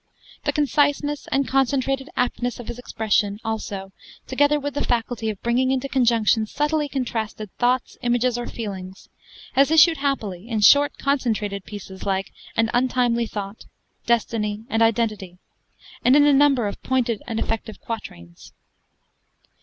The conciseness and concentrated aptness of his expression also together with a faculty of bringing into conjunction subtly contrasted thoughts, images, or feelings has issued happily in short, concentrated pieces like 'An Untimely Thought,' 'Destiny,' and 'Identity,' and in a number of pointed and effective quatrains.